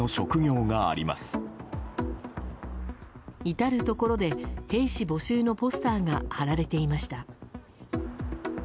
至るところで、兵士募集のポスターが貼られていました。